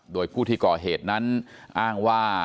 โดยผู้ที่ก่อเหตุนั้นอ้างว่า